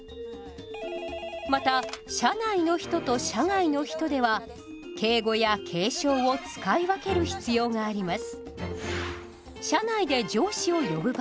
また社内の人と社外の人では敬語や敬称を使い分ける必要があります。